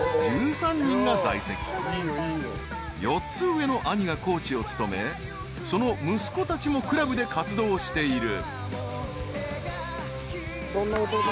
［４つ上の兄がコーチを務めその息子たちもクラブで活動している］